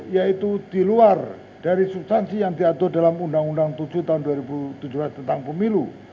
yaitu di luar dari substansi yang diatur dalam undang undang tujuh tahun dua ribu tujuh belas tentang pemilu